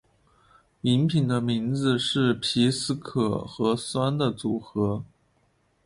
饮品的名字是皮斯可和酸的组合。